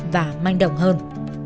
và mang động hơn